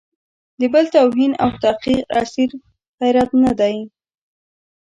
د بل توهین او تحقیر اصیل غیرت نه دی.